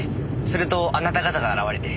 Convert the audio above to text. するとあなた方が現れて。